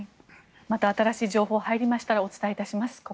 また新しい情報が入りましたらお伝えします。